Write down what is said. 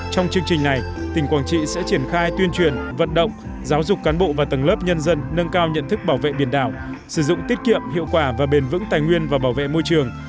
trong chương trình này tỉnh quảng trị sẽ triển khai tuyên truyền vận động giáo dục cán bộ và tầng lớp nhân dân nâng cao nhận thức bảo vệ biển đảo sử dụng tiết kiệm hiệu quả và bền vững tài nguyên và bảo vệ môi trường